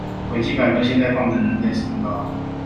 維基百科現在放的人類身高